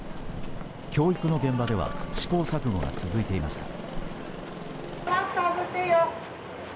教育の現場では試行錯誤が続いていました。